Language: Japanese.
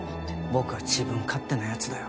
僕は自分勝手な奴だよ。